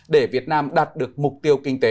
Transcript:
để việt nam đạt được mục tiêu kinh tế